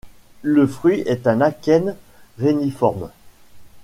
Le fruit est un akène réniforme.